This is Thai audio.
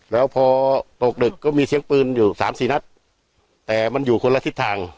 แล้วพอตกดึกก็มีเสียงปืนอยู่สามสี่นัดแต่มันอยู่คนละทิศทาง